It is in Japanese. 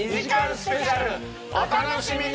スペシャルお楽しみに！